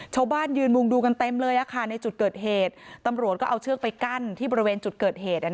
ชาวบ้านยืนมุงดูกันเต็มเลยในจุดเกิดเหตุตำรวจก็เอาเชือกไปกั้นที่บริเวณจุดเกิดเหตุ